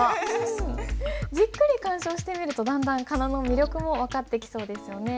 じっくり鑑賞してみるとだんだん仮名の魅力も分かってきそうですよね。